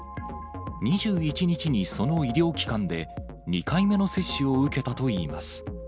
２１日にその医療機関で２回目の接種を受けたといいます。